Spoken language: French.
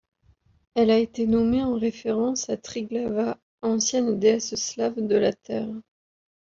Elle a été nommée en référence à Triglava, ancienne déesse slave de la Terre.